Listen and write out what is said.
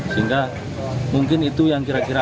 sehingga mungkin itu yang kira kira